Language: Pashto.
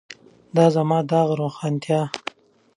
د زما داغ روښانتیا.